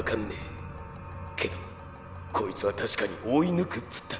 けどこいつは確かに「追い抜く」っつった。